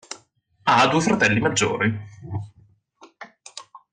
Ha due fratelli maggiori.